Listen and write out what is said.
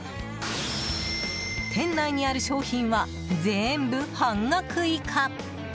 店内にある商品は全部半額以下。